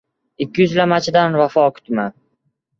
— Ikkiyuzlamachidan vafo kutma.